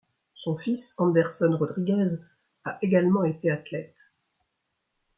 Son fils Anderson Rodriguez a également été athlète.